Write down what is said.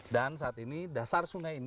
dan saat ini dasar sungai ini